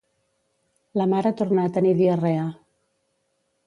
La mare torna a tenir diarrea